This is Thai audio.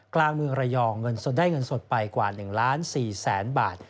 กลางเมืองระยองเงินสดได้เงินสดไปกว่า๑ล้าน๔แสนบาท